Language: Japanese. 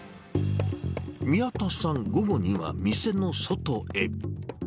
宮田さん、午後には店の外へ。